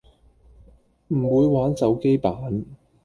唔會玩手機版